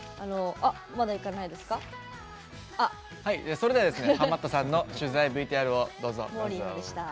それではハマったさんの取材ＶＴＲをどうぞ。